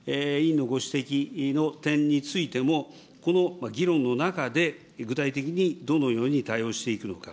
委員のご指摘の点についても、この議論の中で具体的にどのように対応していくのか。